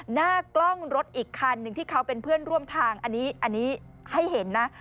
หน้ากล้องรถอีกคันหนึ่งที่เขาเป็นเพื่อนร่วมทางอันนี้ให้เห็นนะ